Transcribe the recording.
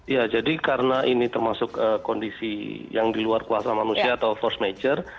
ya jadi karena ini termasuk kondisi yang di luar kuasa manusia atau force major